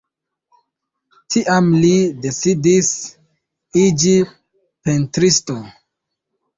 Tiam li decidis iĝi pentristo.